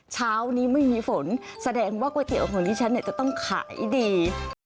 เช้านี้ไม่มีฝนแสดงว่าก๋วยเตี๋ยวของดิฉันจะต้องขายดี